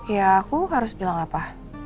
ya aku harus bilang apa